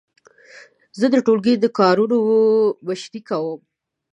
زه د ټولګي د کارونو مشري کوم.